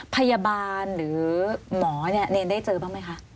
พยาบาลหรือหมอเนี่ยเนรได้เจอบ้างไหมคะ